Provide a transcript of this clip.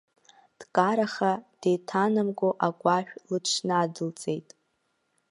Дкараха, деиҭанамго агәашә лыҽнадылҵеит.